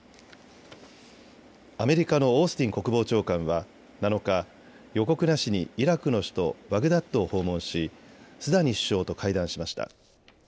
アメリカのオースティン国防長官は７日、予告なしにイラクの首都バグダッドを訪問しスダニ首相と会談しました。